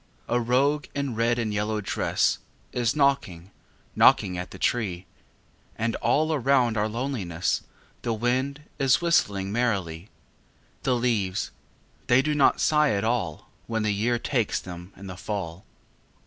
A rogue in red and yellow dress Is knocking, knocking at the tree; And all around our loneliness The wind is whistling merrily. The leavesâthey do not sigh at all When the year takes them in the fall.